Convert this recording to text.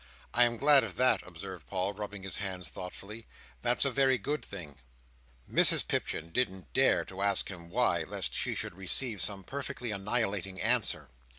"I am glad of that," observed Paul, rubbing his hands thoughtfully. "That's a very good thing." Mrs Pipchin didn't dare to ask him why, lest she should receive some perfectly annihilating answer.